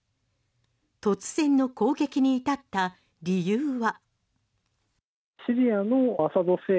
突然の攻撃に至った理由は。